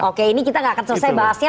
oke ini kita nggak akan selesai bahasnya